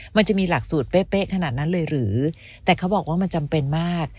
มันจะมีหลักสูตรเป๊ะขนาดนั้นเลยหรือแต่เขาบอกว่ามันจำเป็นมาก